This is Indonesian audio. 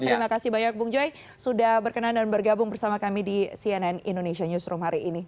terima kasih banyak bung joy sudah berkenan dan bergabung bersama kami di cnn indonesia newsroom hari ini